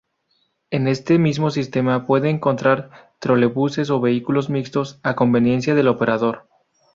En este mismo sistema pueden entrar trolebuses o vehículos mixtos a conveniencia del operador.